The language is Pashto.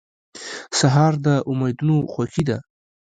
سهار د امیدونو خوښي ده.